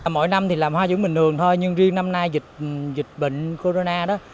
mỗi năm thì làm hoa giữ bình thường thôi nhưng riêng năm nay dịch bệnh corona đó